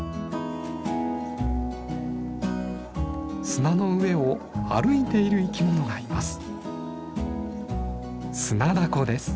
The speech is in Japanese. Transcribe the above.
砂の上を歩いている生きものがいます。